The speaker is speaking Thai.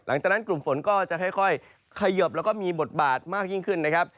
หลังจากนั้นกลุ่มฝนก็จะค่อยเขยิบแล้วก็มีบทบาทมากยิ่งขึ้นนะครับ